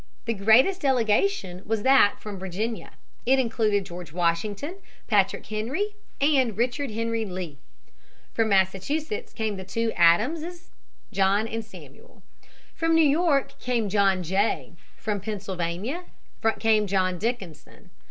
The greatest delegation was that from Virginia. It included George Washington, Patrick Henry, and Richard Henry Lee. From Massachusetts came the two Adamses, John and Samuel. From New York came John Jay. From Pennsylvania came John Dickinson.